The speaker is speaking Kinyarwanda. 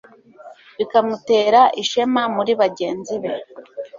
bikamutera ishema muri bagenzi be